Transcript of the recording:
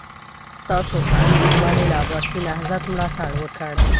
ستاسو په اند دوی ولې له عباسي نهضت ملاتړ وکړ؟